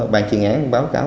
ban chuyên án báo cáo